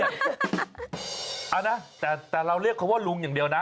เอานะแล้วเรียกเขาหุ่นอย่างเดียวนะ